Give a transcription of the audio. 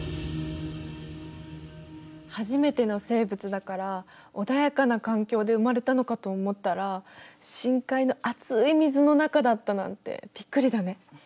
初めての生物だから穏やかな環境で生まれたのかと思ったら深海の熱い水の中だったなんてびっくりだね。